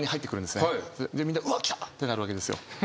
みんなうわ！来た！ってなるわけですよ。